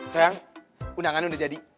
sayang undangan udah jadi